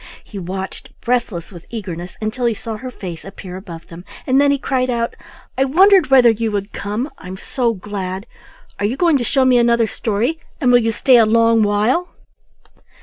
He watched, breathless with eagerness, until he saw her face appear above them, and then he cried out: "I wondered whether you would come; I'm so glad. Are you going to show me another story, and will you stay a long while?"